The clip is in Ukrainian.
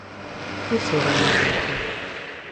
І сиро, між іншим.